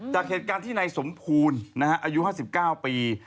จากเหตุการณ์ที่นายสมภูลอายุ๕๙ปี